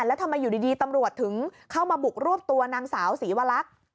แล้วทำไมอยู่ดีตำรวจถึงเข้ามาบุกรวบตัวนางสาวศรีวลักษณ์